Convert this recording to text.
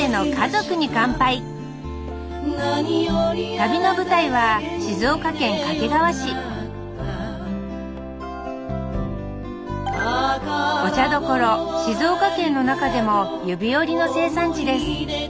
旅の舞台はお茶どころ静岡県の中でも指折りの生産地です